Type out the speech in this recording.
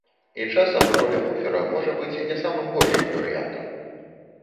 І часам роля буфера можа быць не самым горшым варыянтам.